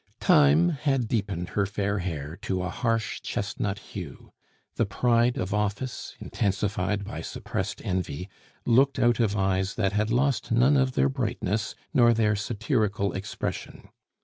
Time had deepened her fair hair to a harsh chestnut hue; the pride of office, intensified by suppressed envy, looked out of eyes that had lost none of their brightness nor their satirical expression.